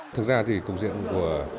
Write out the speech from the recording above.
thực ra thì cục diện của